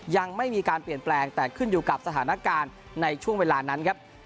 ยังไม่มีการเปลี่ยนแปลงแต่ขึ้นอยู่กับสถานการณ์ในช่วงเวลานั้นครับ